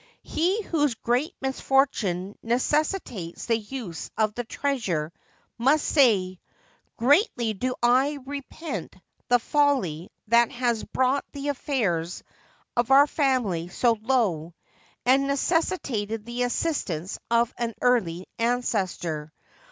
He whose great misfortune necessitates the use of the treasure must say :" Greatly do I repent the folly that has brought the affairs of our family so low, and necessitated the assistance of an early ancestor.